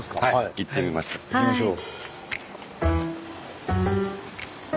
行きましょう。